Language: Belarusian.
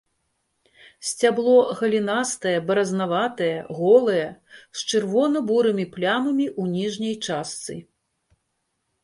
Сцябло галінастае, баразнаватае, голае, з чырвона-бурымі плямамі ў ніжняй частцы.